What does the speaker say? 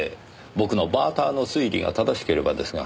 僕のバーターの推理が正しければですが。